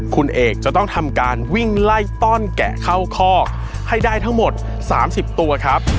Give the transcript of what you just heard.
คุณเอกจะต้องทำการวิ่งไล่ต้อนแกะเข้าคอกให้ได้ทั้งหมด๓๐ตัวครับ